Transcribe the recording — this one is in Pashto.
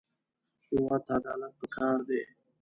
هېواد ته عدالت پکار دی